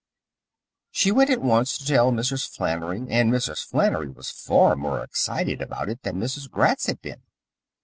She went at once to tell Mrs. Flannery, and Mrs. Flannery was far more excited about it than Mrs. Gratz had been.